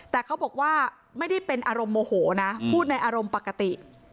แต่เขาบอกว่าไม่ได้เป็นอารมณ์โมโหนะพูดในอารมณ์ปกติ